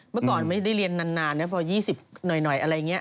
เมื่อก่อนไม่ได้เรียนนานนะพอ๒๐หน่อยอะไรอย่างนี้